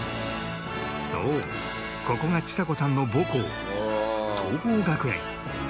そうここがちさ子さんの母校桐朋学園